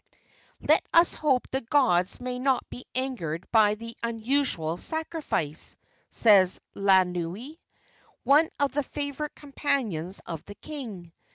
"Let us hope the gods may not be angered by the unusual sacrifice," said Laanui, one of the favorite companions of the king.